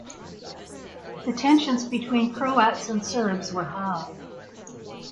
The tensions between Croats and Serbs were high.